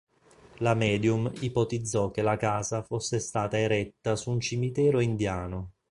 La medium ipotizzò che la casa fosse stata eretta su un cimitero indiano.